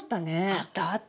あったあった。